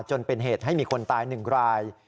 จนเป็นเหตุให้มีคนตาย๑ราย